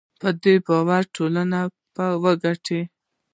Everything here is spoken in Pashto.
دا په باور د ټولنې په ګټه وو.